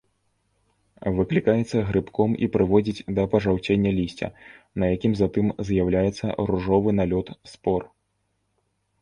Выклікаецца грыбком і прыводзіць да пажаўцення лісця, на якім затым з'яўляецца ружовы налёт спор.